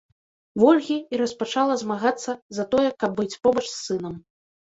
Вольгі і распачала змагацца за тое, каб быць побач з сынам.